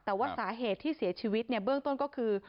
แต่ว่าสาเหตุที่เสียชีวิตเนี่ยเบื้องต้นก็คือ